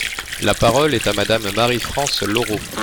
La parole est à Madame Marie-France Lorho.